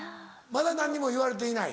まだ何にも言われていない？